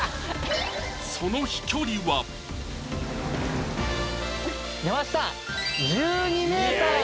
その飛距離は出ました